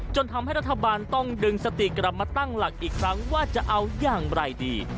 ทำให้รัฐบาลต้องดึงสติกลับมาตั้งหลักอีกครั้งว่าจะเอาอย่างไรดี